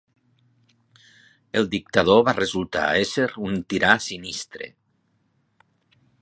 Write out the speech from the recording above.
El dictador va resultar ésser un tirà sinistre.